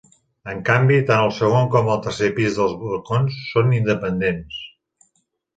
En canvi, tant al segon com al tercer pis els balcons són independents.